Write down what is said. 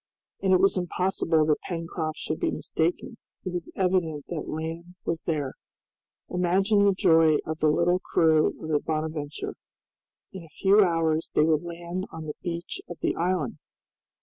And it was impossible that Pencroft should be mistaken, it was evident that land was there. Imagine the joy of the little crew of the "Bonadventure." In a few hours they would land on the beach of the island!